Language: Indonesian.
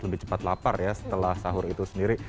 lebih cepat lapar ya setelah sahur itu sendiri